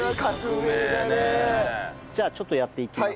じゃあちょっとやっていきます。